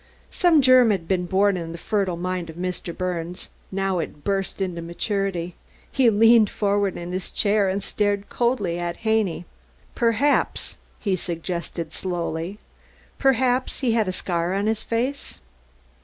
Some germ had been born in the fertile mind of Mr. Birnes; now it burst into maturity. He leaned forward in his chair and stared coldly at Haney. "Perhaps," he suggested slowly, "perhaps he had a scar on his face?"